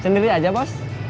sendiri aja bos